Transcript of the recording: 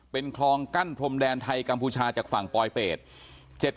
เป็นคลองกั้นพรมแดนไทยกัมพูชาจากฝั่งปลอยเป็ด